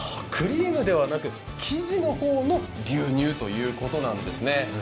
クリームではなく、生地の方も牛乳ということなんですね。